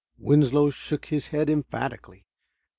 Winslow shook his head emphatically.